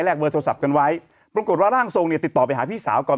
เบอร์โทรศัพท์กันไว้ปรากฏว่าร่างทรงเนี่ยติดต่อไปหาพี่สาวก่อน